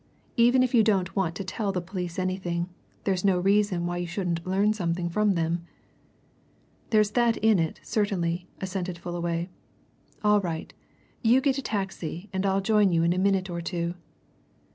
Even if you don't want to tell the police anything, that's no reason why you shouldn't learn something from them." "There's that in it, certainly," assented Fullaway. "All right. You get a taxi and I'll join you in a minute or two."